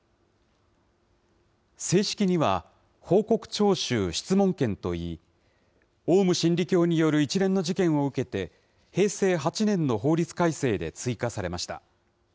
正式には、報告徴収・質問権といい、オウム真理教による一連の事件を受けて、平成８年の法律改正で追加されました。